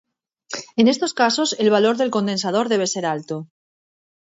En estos casos el valor del condensador debe ser alto.